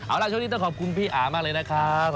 เอาล่ะช่วงนี้ต้องขอบคุณพี่อามากเลยนะครับ